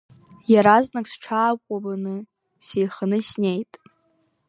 Иаразнак сҽаакәабаны сеиханы снеит.